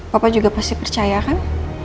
papa juga pasti percaya kan